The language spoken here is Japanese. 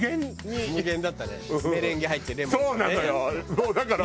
もうだから。